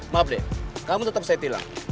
maaf dek kamu tetap selalu saya hilang